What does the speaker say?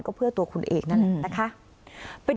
ก็เพื่อตัวคุณเองนั่นแหละนะคะ